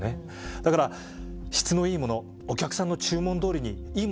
だから質のいいものお客さんの注文どおりにいいものつくった。